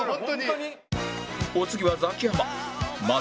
お次はザキヤマ